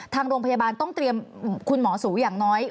ทางโรงพยาบาลต้องเตรียมคุณหมอสูอย่างน้อย